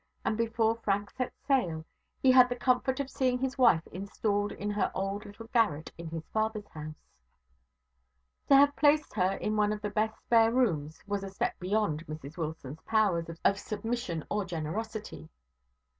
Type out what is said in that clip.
And before Frank set sail, he had the comfort of seeing his wife installed in her old little garret in his father's house. To have placed her in the one best spare room was a step beyond Mrs Wilson's powers of submission or generosity.